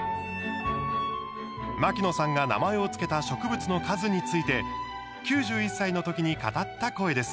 牧野さんが名前を付けた植物の数について９１歳の時に語った声です。